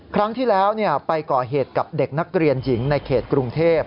ครั้งที่แล้วไปก่อเหตุกับเด็กนักเรียนหญิงในเขตกรุงเทพ